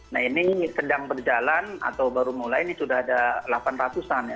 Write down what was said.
nah ini sedang berjalan atau baru mulai ini sudah ada delapan ratus an ya